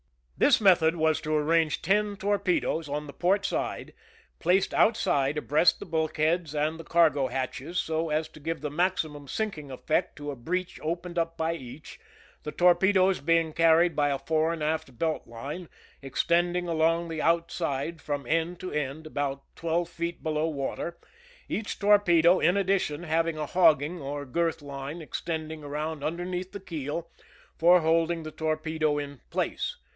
This method was to arrange ten torpedoes on the port side, placed outside abreast the bulkheads and the cargo hatches so as to give the maxi mum sinking effect to a breach opened up by each, the torpedoes being carried by a fore and aft belt line extending along the outside from end to end about twelve feet below water, each torpedo, in addition, having a hogging or girth line, extending around underneath the keel, for holding the tor pedo in its place.